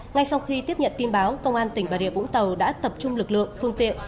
ngay sau khi tiếp nhận tin báo công an tỉnh bà rịa vũng tàu đã tập trung lực lượng phương tiện